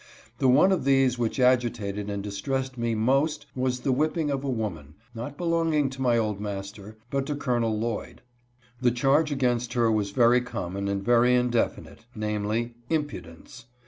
The one of these which agitated and distressed me most was the whipping of a woman, not belonging to my old master, but to Col. Lloyd. The charge against her was very common and very indefinite, I namely, " impudence."